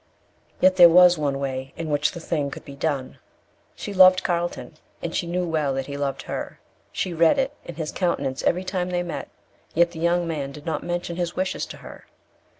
Yet there was one way in which the thing could be done. She loved Carlton, and she well knew that he loved her; she read it in his countenance every time they met, yet the young man did not mention his wishes to her.